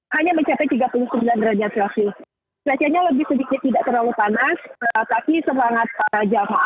hanya mencapai tiga puluh sembilan derajat celcius cuacanya lebih sedikit tidak terlalu panas tapi semangat para jamaah